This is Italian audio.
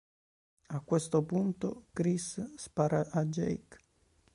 A questo punto Chris spara a Jake.